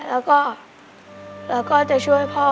แล้วก็แล้วก็จะช่วยพ่อ